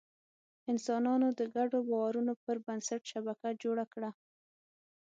انسانانو د ګډو باورونو پر بنسټ شبکه جوړه کړه.